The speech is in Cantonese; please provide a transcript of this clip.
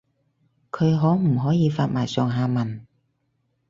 佢可唔可以發埋上下文